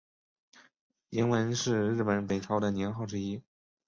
延文是日本北朝的年号之一。